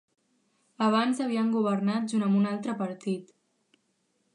Abans havien governat junt amb un altre partit.